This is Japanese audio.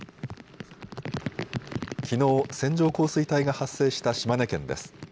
きのう線状降水帯が発生した島根県です。